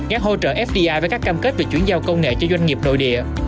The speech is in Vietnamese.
gắn hỗ trợ fdi với các cam kết về chuyển giao công nghệ cho doanh nghiệp nội địa